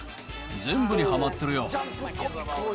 全部にハマってるよ。